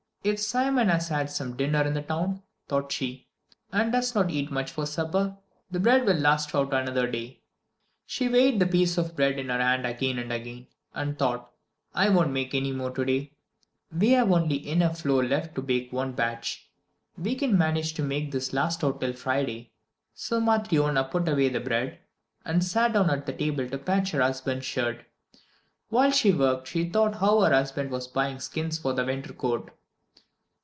"If Simon has had some dinner in town," thought she, "and does not eat much for supper, the bread will last out another day." She weighed the piece of bread in her hand again and again, and thought: "I won't make any more today. We have only enough flour left to bake one batch; We can manage to make this last out till Friday." So Matryona put away the bread, and sat down at the table to patch her husband's shirt. While she worked she thought how her husband was buying skins for a winter coat.